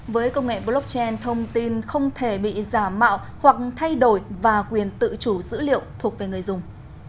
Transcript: với công nghệ blockchain thông tin không thể bị giả mạo hoặc thay đổi và quyền tự chủ dữ liệu thuộc về người dùng